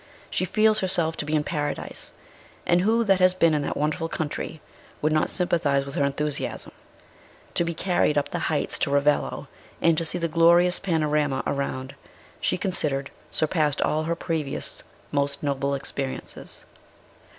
She feels herself to be in Paradise ; and who that has been in that wonderful country would not sympathise with her enthusiasm ! To be carried up the heights to Ravello, and to see the glorious panorama around, she considered, surpassed all her previous most noble experiences.